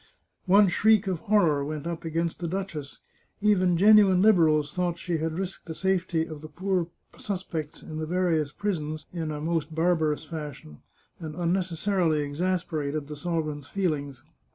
One shriek of horror went up against the duchess ; even genuine Liberals thought she had risked the safety of the poor suspects in the various prisons in a most barbarous fashion, and unnecessarily exasperated the sovereign's feelings.